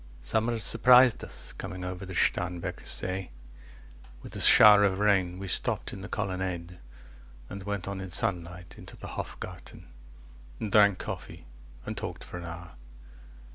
Summer surprised us, coming over the Starnbergersee With a shower of rain; we stopped in the colonnade, And went on in sunlight, into the Hofgarten, 10 And drank coffee, and talked for an hour.